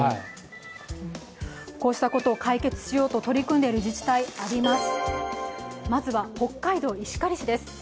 こうしたことを解決しようと取り組んでる自治体あります。